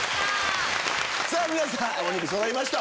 皆さんお肉そろいました。